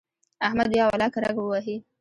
احمد بیا ولاکه رګ ووهي.